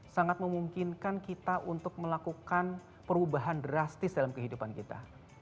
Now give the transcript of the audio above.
sangat memungkinkan kita untuk melakukan perubahan drastis dalam kehidupan kita